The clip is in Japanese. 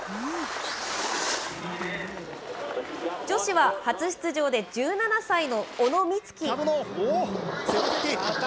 女子は初出場で１７歳の小野光希。